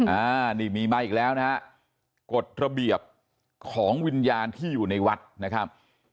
อ่านี่มีมาอีกแล้วนะฮะกฎระเบียบของวิญญาณที่อยู่ในวัดนะครับ